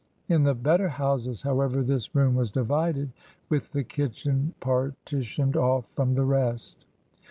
Li the better houses, however, this room was divided, with the kitchen partitioned off from the rest.